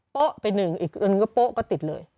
เป๊ะเป็น๑อีกอันนึงก็เป๊ะก็ติดเลย